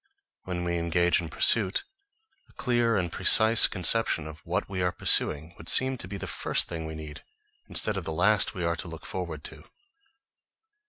When we engage in a pursuit, a clear and precise conception of what we are pursuing would seem to be the first thing we need, instead of the last we are to look forward to.